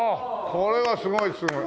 これはすごいすごい。